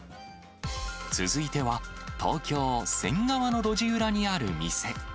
続いては、東京・仙川の路地裏にある店。